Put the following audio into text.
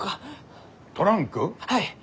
はい。